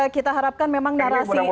kita harapkan memang narasi yang sama